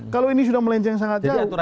kalau ini sudah melenceng sangat jauh